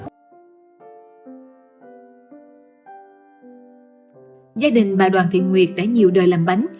gia đình bà đoàn thị nguyệt đã nhiều đời làm bánh